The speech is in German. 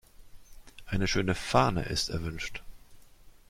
Eine schöne „Fahne“ ist erwünscht.